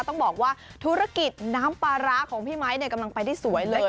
ต้องบอกว่าธุรกิจน้ำปลาร้าของพี่ไมค์กำลังไปได้สวยเลย